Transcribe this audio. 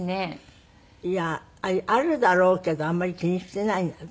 いやあるだろうけどあんまり気にしていないの私。